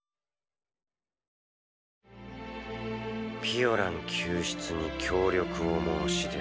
ピオラン救出に協力を申し出るトナリ。